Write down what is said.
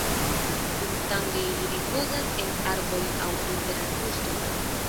Dumtage ili ripozas en arboj aŭ inter arbustoj.